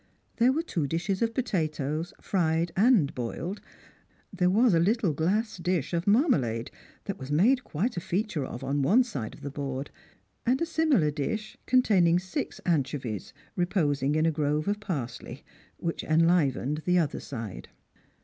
There were two dishes of potatoes, fried and boiled ; there was a little glass dish of mar malade, that was made quite a feature of on one side of the board ; and a similar dish containing six anchovies reposing in a grove of parsley, which enlivened the other side.